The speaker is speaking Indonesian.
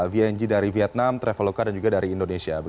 vng dari vietnam traveloka dan juga dari indonesia